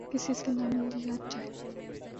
کس کس کا نام لیا جائے۔